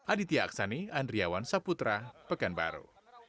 aditya aksani andriawan saputra pekanbaru